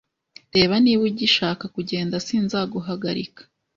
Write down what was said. Reba, niba ugishaka kugenda, sinzaguhagarika.